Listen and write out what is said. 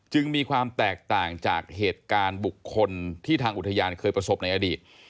มีความแตกต่างจากเหตุการณ์บุคคลที่ทางอุทยานเคยประสบในอดีต